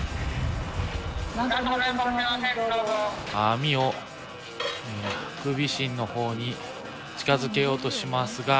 網をハクビシンのほうに近づけようとしますが。